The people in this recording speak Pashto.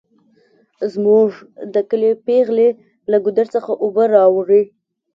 زمونږ د کلي پیغلې له ګودر څخه اوبه راوړي